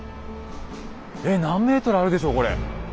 えっ何メートルあるでしょうこれ。